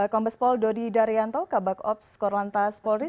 kompas pol dodi daryanto kabak ops kor lantas polri